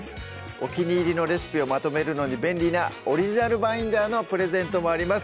お気に入りのレシピをまとめるのに便利なオリジナルバインダーのプレゼントもあります